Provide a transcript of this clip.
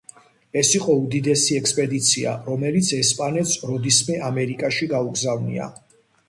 ეს იყო უდიდესი ექსპედიცია რომელიც ესპანეთს როდისმე ამერიკაში გაუგზავნია.